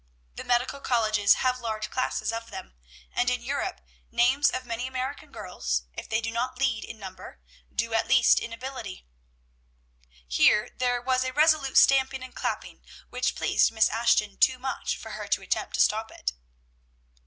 The medical colleges have large classes of them; and in Europe names of many American girls, if they do not lead in number, do at least in ability." Here there was a resolute stamping and clapping, which pleased Miss Ashton too much for her to attempt to stop it.